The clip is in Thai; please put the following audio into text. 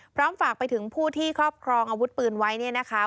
ฝากไปถึงผู้ที่ครอบครองอาวุธปืนไว้เนี่ยนะคะ